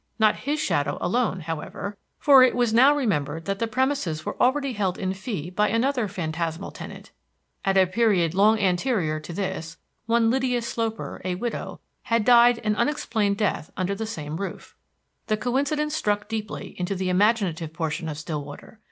Not his shadow alone, however, for it was now remembered that the premises were already held in fee by another phantasmal tenant. At a period long anterior to this, one Lydia Sloper, a widow, had died an unexplained death under that same roof. The coincidence struck deeply into the imaginative portion of Stillwater.